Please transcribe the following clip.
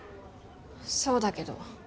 そうだけど。